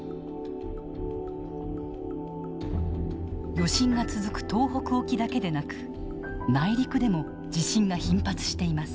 余震が続く東北沖だけでなく内陸でも地震が頻発しています。